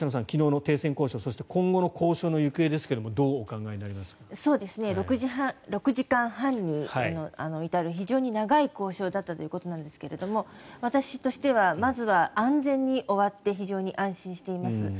昨日の停戦交渉そして今後の交渉の行方ですが６時間半に至る非常に長い交渉だったということなんですが私としては、まずは安全に終わって非常に安心しています。